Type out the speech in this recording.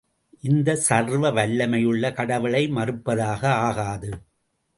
இது சர்வ வல்லமையுள்ள கடவுளை மறுப்பதாக ஆகாது.